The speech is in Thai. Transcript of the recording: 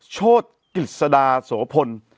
โชทกลิศดาโสพล